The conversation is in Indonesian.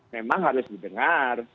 memang harus didengar